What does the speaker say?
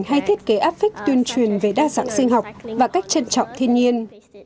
hay thiết kế áp phích tuyên truyền về đa dạng sinh học và cách trân trọng thiên nhiên